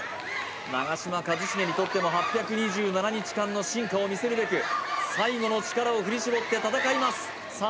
長嶋一茂にとっても８２７日間の進化を見せるべく最後の力を振り絞って戦いますさあ